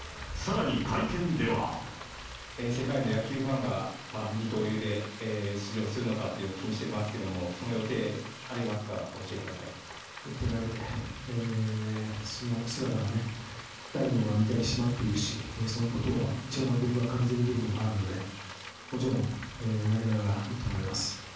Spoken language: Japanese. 世界の野球ファンが、二刀流で出場するのかっていうのを気にしてますけども、その予定ありますか、打って投げて、その姿はね、誰もが見たいし待っているし、そのことは一番僕が感じている部分ではあるので、もちろん投げながら打ってもらいます。